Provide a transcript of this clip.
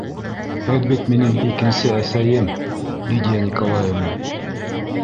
Һеҙ бит минең икенсе әсәйем, Лидия Николаевна!